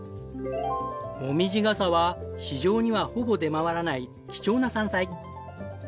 モミジガサは市場にはほぼ出回らない貴重な山菜。